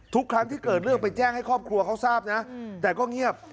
ทุกครั้งที่เกิดเรื่องไปแจ้งให้ครอบครัวเขาทราบนะแต่ก็เงียบ